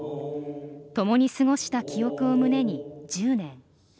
ともに過ごした記憶を胸に１０年。